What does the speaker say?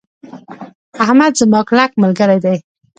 احمد زما کلک ملګری ده.